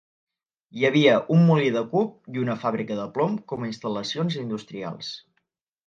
Hi havia un molí de cub i una fàbrica de plom com a instal·lacions industrials.